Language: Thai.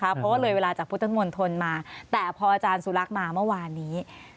เพราะว่าเลยเวลาจากพุทธมณฑลมาแต่พออาจารย์สุรักษ์มาเมื่อวานนี้